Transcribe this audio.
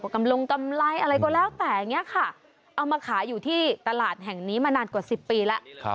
กำลงกำไรอะไรก็แล้วแต่อย่างนี้ค่ะเอามาขายอยู่ที่ตลาดแห่งนี้มานานกว่า๑๐ปีแล้ว